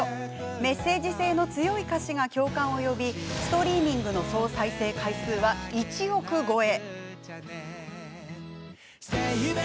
メッセージ性の強い歌詞が共感を呼び、ストリーミングの総再生回数は１億超え。